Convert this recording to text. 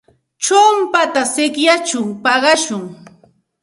Chumpata sikyachaw paqashun.